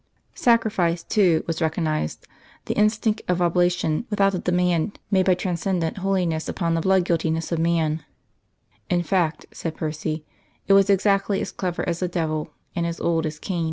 Sacrifice, too, was recognised the instinct of oblation without the demand made by transcendent Holiness upon the blood guiltiness of man.... In fact, in fact, said Percy, it was exactly as clever as the devil, and as old as Cain.